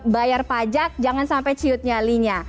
bayar pajak jangan sampai ciut nyalinya